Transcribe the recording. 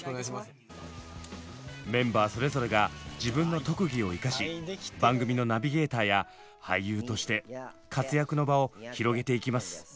メンバーそれぞれが自分の特技を生かし番組のナビゲーターや俳優として活躍の場を広げていきます。